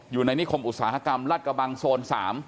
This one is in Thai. อยู่ในนิคมอุตสาหกรรมรัฐกระบังโซน๓